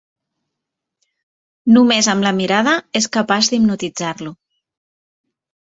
Només amb la mirada és capaç d'hipnotitzar-lo.